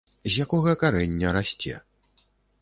З якога карэння расце.